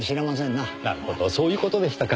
なるほどそういう事でしたか。